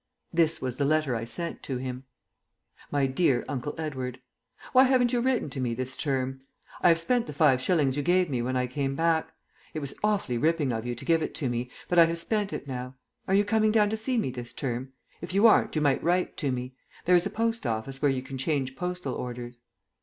This was the letter I sent to him: "MY DEAR UNCLE EDWARD, Why haven't you written to me this term? I have spent the five shillings you gave me when I came back; it was awfully ripping of you to give it to me, but I have spent it now. Are you coming down to see me this term? If you aren't you might write to me; there is a post office here where you can change postal orders.